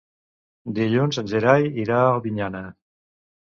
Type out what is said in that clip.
Dilluns en Gerai irà a Albinyana.